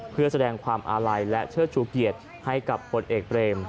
เพื่อแสดงความอาลัยและเชิดชูเกียรติให้กับคนเอกเบรม